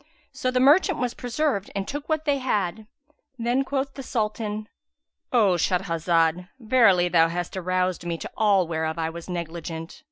So the merchant was preserved and took what they had. Then quoth the Sultan, "O Shahrazad, verily thou hast aroused me to all whereof I was negligent!